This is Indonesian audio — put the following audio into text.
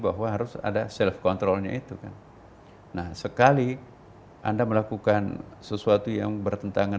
bahwa harus ada self controlnya itu kan nah sekali anda melakukan sesuatu yang bertentangan